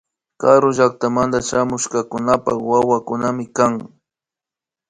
Karu llaktamanta shamushkakunapak wawakunami kan